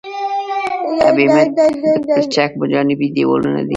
ابټمنټ د پلچک جانبي دیوالونه دي